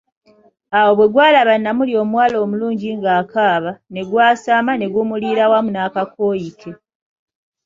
Awo bwe gwalaba Namuli omuwala omulungi ng'akaaba ne gwasama, n'egumulira wamu n'akakooyi ke.